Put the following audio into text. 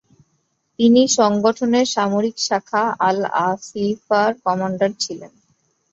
তিনি সংগঠনের সামরিক শাখা আল-আসিফার কমান্ডার ছিলেন।